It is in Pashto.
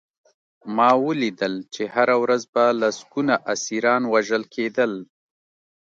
ما ولیدل چې هره ورځ به لسګونه اسیران وژل کېدل